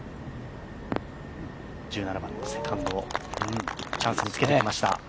１７番のセカンド、チャンスにつけてきました。